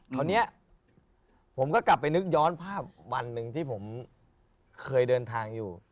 คราวนี้ผมก็กลับไปนึกย้อนภาพวันหนึ่งที่ผมเคยเดินทางอยู่